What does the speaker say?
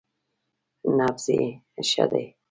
_نبض يې ښه دی.